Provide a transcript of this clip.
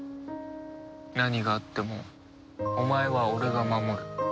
何があってもお前は俺が守る。